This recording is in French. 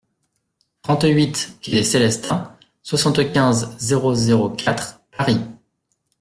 trente-huit quai des Célestins, soixante-quinze, zéro zéro quatre, Paris